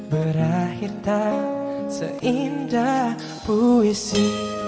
berakhir tak seindah puisi